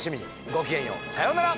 ごきげんようさようなら！